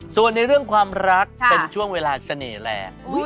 ส่วนในเรื่องความรักเป็นช่วงเวลาเสน่ห์แรง